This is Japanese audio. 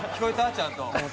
ちゃんと。